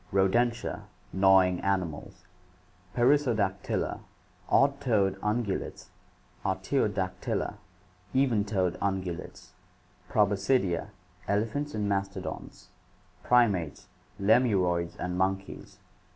Rodentia, gnawing animals. Perissodactyla, odd toed ungulates. Artiodactyla, even toed ungulates. Proboscidea, elephants and mastodons. Primates, lemuroids and monkeys.